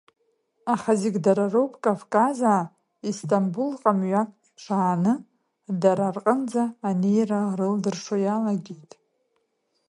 Аха зегь дарароуп Кавказаа Истамбулҟа мҩак ԥшааны дара рҟынӡа анеира рылдыршо иалагеит.